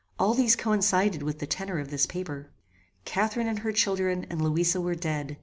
All these coincided with the tenor of this paper. Catharine and her children, and Louisa were dead.